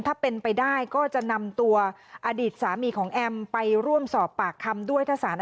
ถ้าเป็นไปได้ก็จะนำตัวอดีตสามีของแอมไปร่วมสอบปากคำด้วย